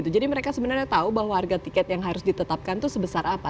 jadi mereka sebenarnya tahu bahwa harga tiket yang harus ditetapkan itu sebesar apa